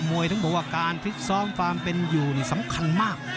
มวยทั้งบวกว่าการพริกส้อมฟันเป็นอยู่นี่สำคัญมาก